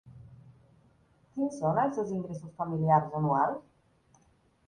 Quins són els seus ingressos familiars anuals?